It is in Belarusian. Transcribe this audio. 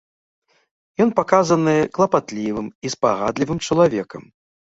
Ён паказаны клапатлівым і спагадлівым чалавекам.